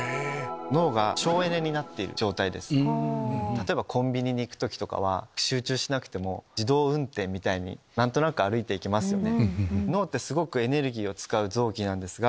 例えばコンビニに行く時とかは集中しなくても自動運転みたいに何となく歩いていきますよね。